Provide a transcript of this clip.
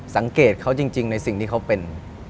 สังเกตเขาจริงในสิ่งที่เขาเป็น